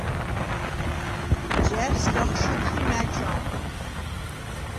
ჯა̈რ სგახშჷდხ ი მა̈გ ჟანხვიტხ.